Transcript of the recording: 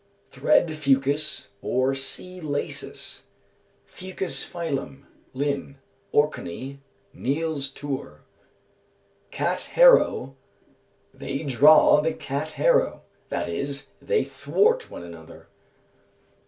_ Thread fucus, or sea laces. Fucus filum (LINN.), Orkney, "Neill's Tour." Cat Harrow. "They draw the Cat Harrow" that is, they thwart one another.